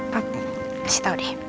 pap kasih tau deh